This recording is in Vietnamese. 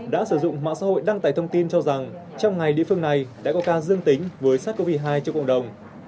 đã sử dụng mạng xã hội đăng tải thông tin cho rằng trong ngày địa phương này đã có ca dương tính với sars cov hai cho cộng đồng